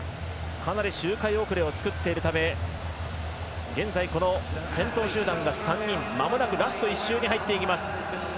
かなり周回遅れを作っているため現在、先頭集団が３人まもなくラスト１周に入ります。